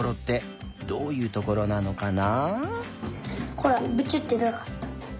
こらブチュッてでなかった。